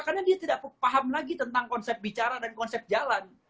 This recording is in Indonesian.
karena dia tidak paham lagi tentang konsep bicara dan konsep jalan